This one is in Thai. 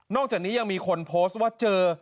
อกจากนี้ยังมีคนโพสต์ว่าเจอ